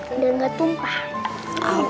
udah gak tumpah